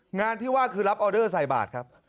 งานที่ว่าคือรับออเดอร์ใส่บาทครับ